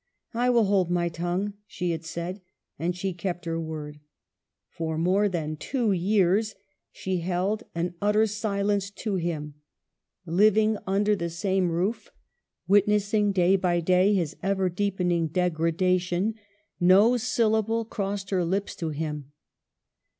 " I will hold my tongue," she had said, and she kept her word. For more than two years she held an utter silence to him ; living under 1 Mrs. Gaskell. BRANWELLS FALL. 167 the same roof, witnessing day by clay his ever deepening degradation, no syllable crossed her lips to him.